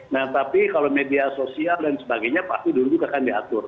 nah tapi kalau media sosial dan sebagainya pasti dulu juga akan diatur